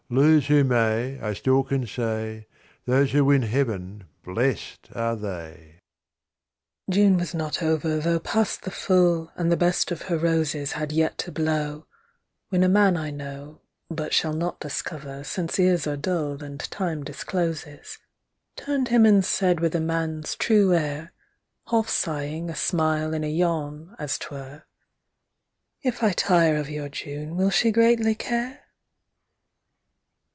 Lose who may I still can say, Those who win heaven, blest are they! ANOTHER WAY OF LOVE June was not over Though past the full, And the best of her roses Had yet to blow, When a man I know (But shall not discover, Since ears are dull, And time discloses) Turned him and said with a man's true air, Half sighing a smile in a yawn, as 't were, "If I tire of your June, will she greatly care?"